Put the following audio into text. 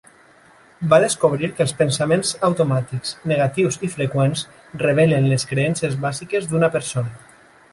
Va descobrir que els pensaments automàtics negatius i freqüents revelen les creences bàsiques d'una persona.